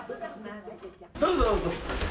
どうぞ、どうぞ。